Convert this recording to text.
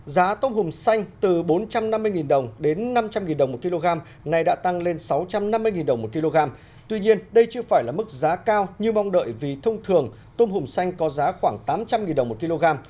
giá tôm hùm xanh từ bốn trăm năm mươi đồng đến năm trăm linh đồng một kg này đã tăng lên sáu trăm năm mươi đồng một kg tuy nhiên đây chưa phải là mức giá cao như mong đợi vì thông thường tôm hùm xanh có giá khoảng tám trăm linh đồng một kg